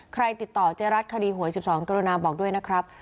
ติดต่อเจ๊รัฐคดีหวย๑๒กรณาบอกด้วยนะครับ